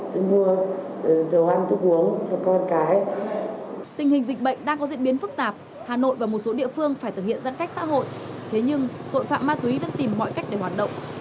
trong các diễn biến phức tạp hà nội và một số địa phương phải thực hiện giãn cách xã hội thế nhưng tội phạm ma túy vẫn tìm mọi cách để hoạt động